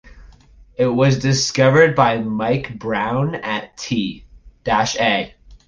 It was discovered by Mike Brown and T.-A.